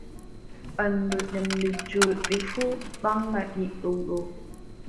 Ɓaŋɗo nyannde juulde fuu ɓaŋan nyidduɗo.